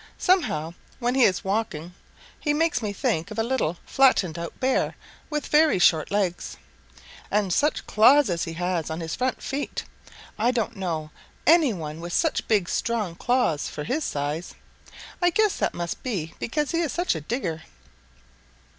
Somehow when he is walking he makes me think of a little, flattened out Bear with very short legs. And such claws as he has on his front feet! I don't know any one with such big strong claws for his size. I guess that must be because he is such a digger."